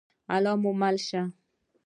الله مو مل شه؟